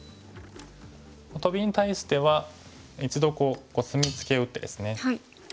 トビに対しては一度コスミツケを打ってですね。